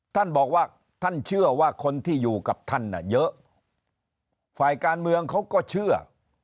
ท่านบอกว่าท่านเชื่อว่าคนที่อยู่กับท่านเยอะฝ่ายการเมืองเขาก็เชื่อ